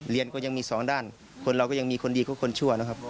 เรียนก็ยังมีสองด้านคนเราก็ยังมีคนดีก็คนชั่วนะครับ